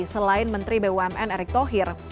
selain menteri bumn erick thohir